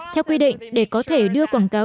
theo quy định để có thể đưa quảng cáo